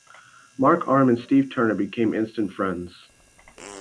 Mark Arm and Steve Turner became instant friends.